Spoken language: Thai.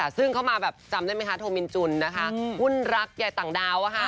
ซึ่งเขามาแบบจำได้ไหมคะโทมินจุนนะคะหุ้นรักใหญ่ต่างดาว